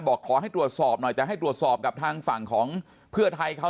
บอกขอให้ตรวจสอบหน่อยแต่ให้ตรวจสอบกับทางฝั่งของเพื่อไทยเขา